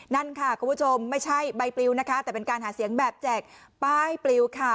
นั่นค่ะคุณผู้ชมไม่ใช่ใบปลิวนะคะแต่เป็นการหาเสียงแบบแจกป้ายปลิวค่ะ